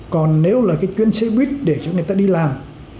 còn nếu là cái chuyến xe buýt để cho người ta đi làm